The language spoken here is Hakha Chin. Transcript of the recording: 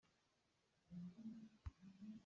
Ṭhim in hling a cawih.